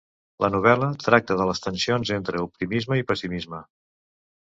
La novel·la tracte de les tensions entre optimisme i pessimisme.